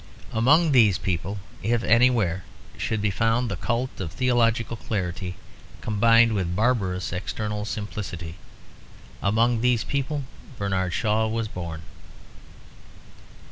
Among these people, if anywhere, should be found the cult of theological clarity combined with barbarous external simplicity. Among these people Bernard Shaw was born.